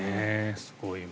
すごいわ。